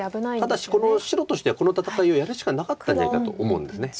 ただし白としてはこの戦いをやるしかなかったんじゃないかと思うんです。